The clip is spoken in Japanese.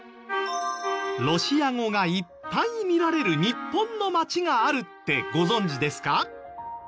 ロシア語がいっぱい見られる日本の街があるってご存じですか？